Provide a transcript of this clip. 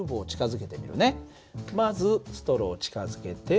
まずストローを近づけて。